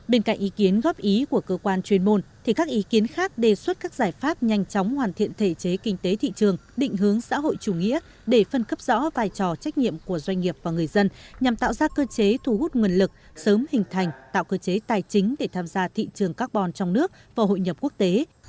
bên cạnh ý kiến góp ý của cơ quan chuyên môn thì các ý kiến khác đề xuất các giải pháp nhanh chóng hoàn thiện thể chế kinh tế thị trường định hướng xã hội chủ nghĩa để phân cấp rõ vai trò trách nhiệm của doanh nghiệp và người dân nhằm tạo ra cơ chế thu hút nguồn lực sớm hình thành tạo cơ chế tài chính để tham gia thị trường carbon trong nước và hội nhập quốc tế